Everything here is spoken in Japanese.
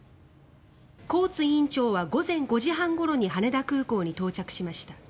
コーツ委員長は午前５時半ごろに羽田空港に到着しました。